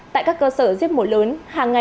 tại các cơ sở riết mổ lớn